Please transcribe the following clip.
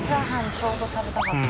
ちょうど食べたかった。